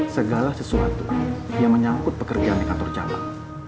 segala sesuatu yang menyangkut pekerjaan di kantor cabang